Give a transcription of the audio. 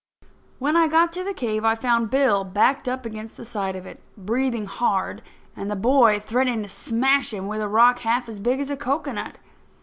When I got to the cave I found Bill backed up against the side of it, breathing hard, and the boy threatening to smash him with a rock half as big as a cocoanut.